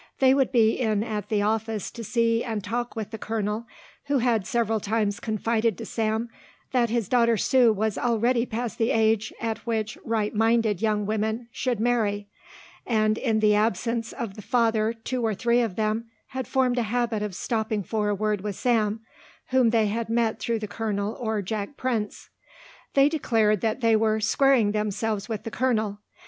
They would be in at the office to see and talk with the colonel, who had several times confided to Sam that his daughter Sue was already past the age at which right minded young women should marry, and in the absence of the father two or three of them had formed a habit of stopping for a word with Sam, whom they had met through the colonel or Jack Prince. They declared that they were "squaring themselves with the colonel."